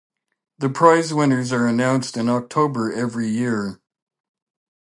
The prize winners are announced in October every year.